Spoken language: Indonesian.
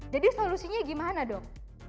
jadi solusinya gimana dong